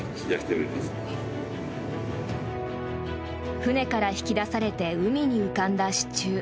船から引き出されて海に浮かんだ支柱。